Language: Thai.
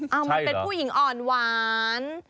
เอามันเป็นผู้หญิงอ่อนหวาน